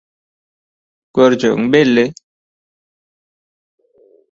Görjegiň belli.